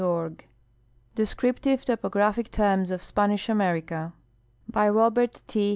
290 DESCRIPTIVE TOPOGRAPHIC TERMS OF SPANISH AMERICA* By Robert T.